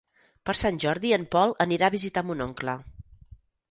Per Sant Jordi en Pol anirà a visitar mon oncle.